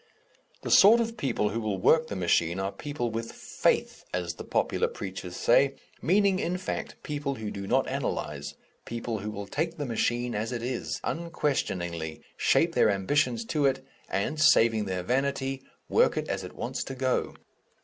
The sort of people who will work the machine are people with "faith," as the popular preachers say, meaning, in fact, people who do not analyze, people who will take the machine as it is, unquestioningly, shape their ambitions to it, and saving their vanity work it as it wants to go.